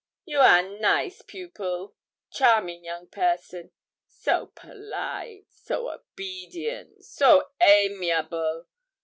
'You are nice pupil charming young person! So polite, so obedient, so amiable!